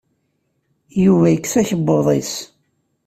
Yuba yekkes akebbuḍ-is.